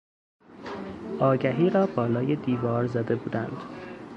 آگهی را بالای دیوار زده بودند.